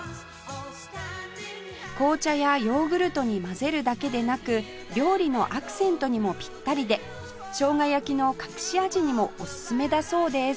紅茶やヨーグルトに混ぜるだけでなく料理のアクセントにもぴったりでしょうが焼きの隠し味にもおすすめだそうです